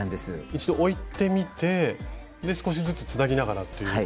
一度置いてみて少しずつつなぎながらっていうことですよね。